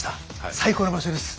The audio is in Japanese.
最高の場所です。